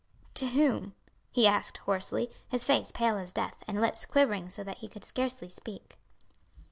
To whom?" he asked hoarsely, his face pale as death, and lips quivering so that he could scarcely speak.